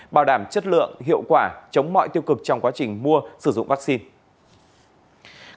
bảo đảm chất lượng hiệu quả chống mọi tiêu cực trong quá trình mua sử dụng vaccine